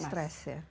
jadi stress ya